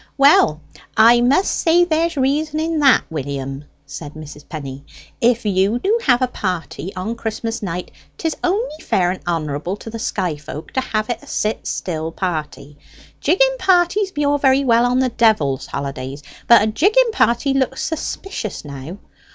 "Well, I must say there's reason in that, William," said Mrs. Penny. "If you do have a party on Christmas night, 'tis only fair and honourable to the sky folk to have it a sit still party. Jigging parties be all very well on the Devil's holidays; but a jigging party looks suspicious now.